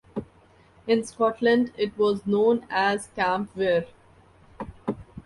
In Scotland it was known as Campvere.